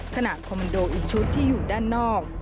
คอมมันโดอีกชุดที่อยู่ด้านนอก